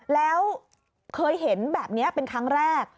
แล้วเคยเห็นแบบนี้เป็นครั้งแรก